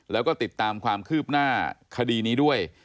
แล้วก็ติดตามความคืบหน้าคดีนี้ด้วย